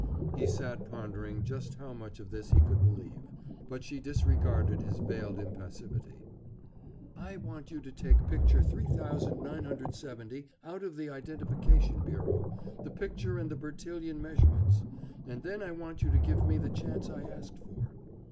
He sat pondering just how much of this he could believe. But she disregarded his veiled impassivity. "I want you to take Picture 3,970 out of the Identification Bureau, the picture and the Bertillon measurements. And then I want you to give me the chance I asked for."